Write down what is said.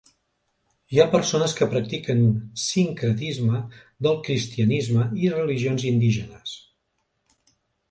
Hi ha persones que practiquen sincretisme del cristianisme i religions indígenes.